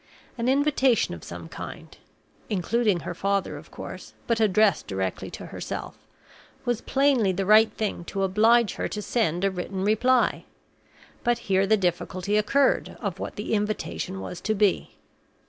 An invitation of some kind (including her father, of course, but addressed directly to herself) was plainly the right thing to oblige her to send a written reply; but here the difficulty occurred of what the invitation was to be.